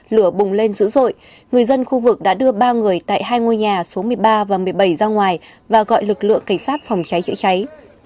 lửa bùng lên dữ dội người dân khu vực đã đưa ba người tại hai ngôi nhà số một mươi ba và một mươi bảy ra ngoài và gọi lực lượng cảnh sát phòng cháy chữa cháy